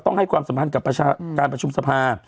ต้องให้สัมพันธ์กับการประชุมสะพา